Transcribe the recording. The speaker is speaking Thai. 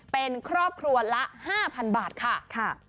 เป็นครอบครัวละ๕๐๐๐บาทค่ะ